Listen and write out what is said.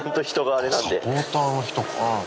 あサポーターの人か。